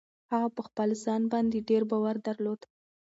هغه په خپل ځان باندې ډېر باور درلود.